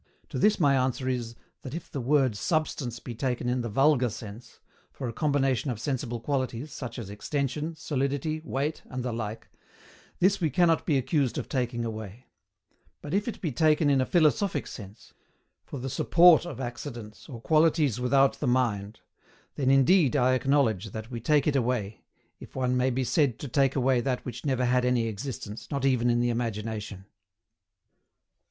To this my answer is, that if the word SUBSTANCE be taken in the vulgar sense for a combination of sensible qualities, such as extension, solidity, weight, and the like this we cannot be accused of taking away: but if it be taken in a philosophic sense for the SUPPORT of accidents or QUALITIES WITHOUT THE MIND then indeed I acknowledge that we take it away, if one may be said to take away that which never had any existence, not even in the imagination.